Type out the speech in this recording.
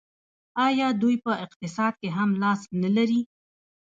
آیا دوی په اقتصاد کې هم لاس نلري؟